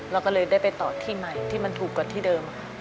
เราก็เลยได้ไปต่อที่ใหม่ที่มันถูกกว่าที่เดิม